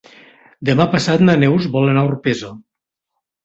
Demà passat na Neus vol anar a Orpesa.